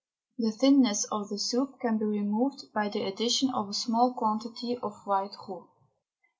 The thinness of the soup can be removed by the addition of a small quantity of white roux.